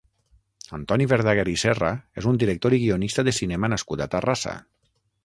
Antoni Verdaguer i Serra és un director i guionista de cinema nascut a Terrassa.